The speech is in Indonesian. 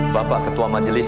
bapak ketua majelis